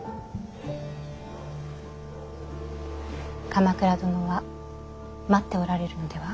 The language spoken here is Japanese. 鎌倉殿は待っておられるのでは？